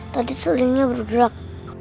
tadi sulingnya bergerak